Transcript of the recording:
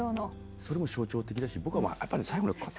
それも象徴的だし僕はやっぱね最後のこう。